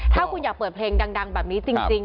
ถ้าคุณอยากเปิดเพลงดังแบบนี้จริง